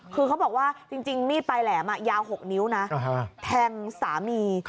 คือเขาบอกว่าจริงหมี่ไปแหลมายาว๖นิ้วนะทังสามี